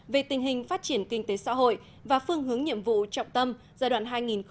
về tình hình phát triển kinh tế xã hội và phương hướng nhiệm vụ trọng tâm giai đoạn hai nghìn một mươi sáu hai nghìn hai mươi